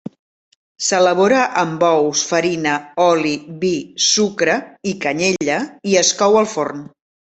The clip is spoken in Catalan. S'elabora amb ous, farina, oli, vi, sucre i canyella i es cou al forn.